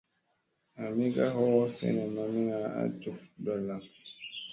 Ami ka hoo sene mamina a jub ɗolla.